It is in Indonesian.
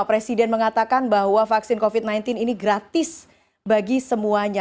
presiden mengatakan bahwa vaksin covid sembilan belas ini gratis bagi semuanya